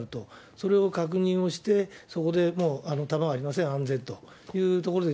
それを確認をして、そこでもう、弾がありません、安全というところで、